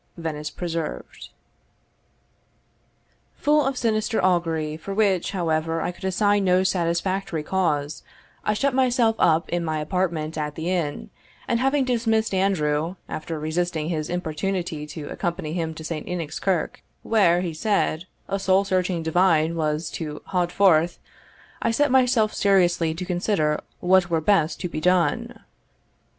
Venice Preserved. Full of sinister augury, for which, however, I could assign no satisfactory cause, I shut myself up in my apartment at the inn, and having dismissed Andrew, after resisting his importunity to accompany him to St. Enoch's Kirk,* where, he said, "a soul searching divine was to haud forth," I set myself seriously to consider what were best to be done.